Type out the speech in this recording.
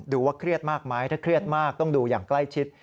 ว่าเครียดมากไหมถ้าเครียดมากต้องดูอย่างใกล้ชิด